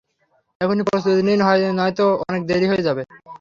এক্ষুনি প্রস্তুতি নিন নয়তো অনেক দেরি হয়ে যাবে!